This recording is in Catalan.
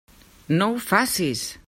No ho facis!